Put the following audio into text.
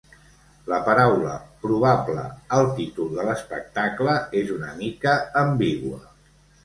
La paraula "probable" al títol de l'espectacle és una mica ambigua.